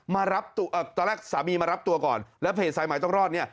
ตอนแรกฝีมารับตัวก่อนแล้วเผจสายไหมต้องรอดเนี้ย